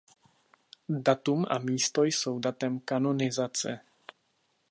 Datum a místo jsou datem kanonizace.